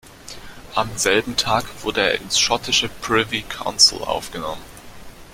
Am selben Tag wurde er ins schottische Privy Council aufgenommen.